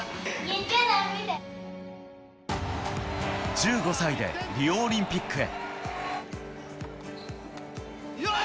１５歳でリオオリンピックへ。